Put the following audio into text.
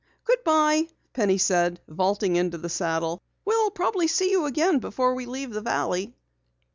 "Goodbye," Penny said, vaulting into the saddle. "We'll probably see you again before we leave the valley."